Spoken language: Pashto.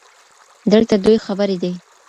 دلته دوې خبري دي